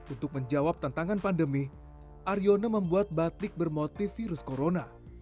untuk menjawab tantangan pandemi aryono membuat batik bermotif virus corona